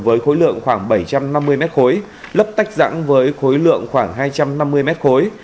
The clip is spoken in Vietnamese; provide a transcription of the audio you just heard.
với khối lượng khoảng bảy trăm năm mươi m khối lấp tách rãng với khối lượng khoảng hai trăm năm mươi m khối